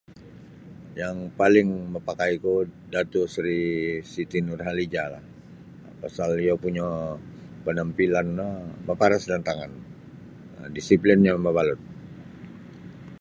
Yang paling mapakaiku Datuk Sri Siti Nurhalijalah pasal iyo punyo penampilan no maparas da antangan disiplinnyo mabalut.